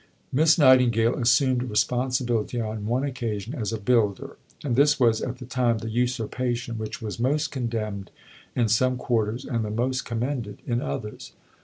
III Miss Nightingale assumed responsibility on one occasion as a builder, and this was at the time the usurpation which was most condemned in some quarters and the most commended in others.